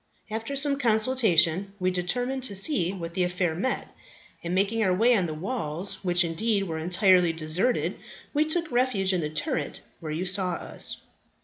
After much consultation we determined to see what the affair meant, and making our way on to the walls, which, indeed, were entirely deserted, we took refuge in that turret where you saw us.